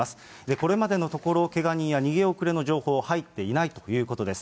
これまでのところ、けが人や逃げ遅れの情報、入っていないということです。